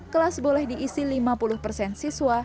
kelas boleh diisi lima puluh persen siswa